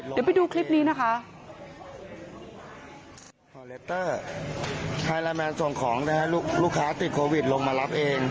เดี๋ยวไปดูคลิปนี้นะคะ